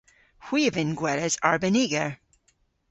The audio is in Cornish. Hwi a vynn gweles arbeniger.